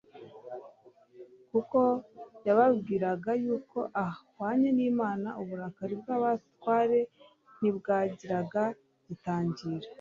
kuko yababwiraga yuko ahwanye n'Imana. Uburakari bw'abatware ntibwagiraga gitangira.